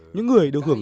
những người được hưởng